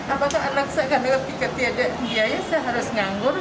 apakah anak saya akan lebih ketidakbiayaan saya harus nganggur